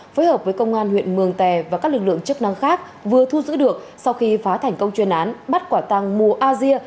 phối hợp với công an huyện mường tè và các lực lượng chức năng khác vừa thu giữ được sau khi phá thành công chuyên án bắt quả tăng mùa a dia